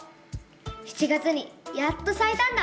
７月にやっとさいたんだ！